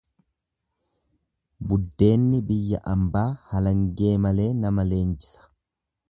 Buddeenni biyya ambaa halangee malee nama leenjisa.